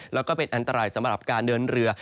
แล้วก็เป็นอันตรายสำหรับการเดินเรือ